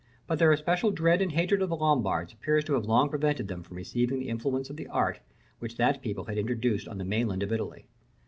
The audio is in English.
But their especial dread and hatred of the Lombards appears to have long prevented them from receiving the influence of the art which that people had introduced on the mainland of Italy.